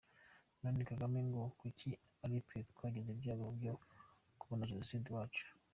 None Kagame ngo kuki ari twe twagize ibyago byo kubona genocide iwacu?!!